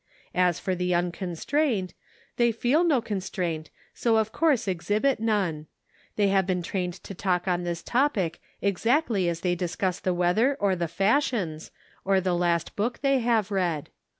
As for the unconstraint, they feel no constraint, so of course exhibit none ; they have been trained to talk on this topic exactly as they discuss the weather or the fashions, or the last book they have read.